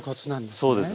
そうですね。